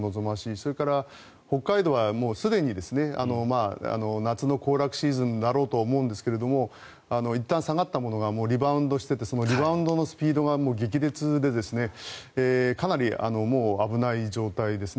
それから、北海道はすでに夏の行楽シーズンだろうとは思うんですけどもいったん下がったものがリバウンドしていてそのリバウンドのスピードが激烈でかなり危ない状態ですね。